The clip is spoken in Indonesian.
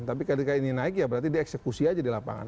tapi ketika ini naik ya berarti dieksekusi aja di lapangan